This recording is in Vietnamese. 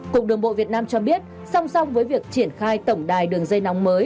cục đường bộ việt nam cho biết song song với việc triển khai tổng đài đường dây nóng mới